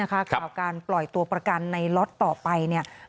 ข่าวการปล่อยตัวประกันในล็อตต่อไปเนี่ย